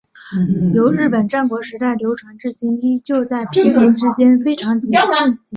由日本战国时代流传至今依旧在平民之间非常盛行。